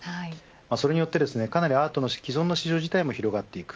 それによってアートの既存の市場自体も広がっていく。